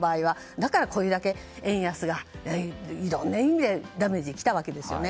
だからこれだけ円安がいろんな意味でダメージが来たわけですね。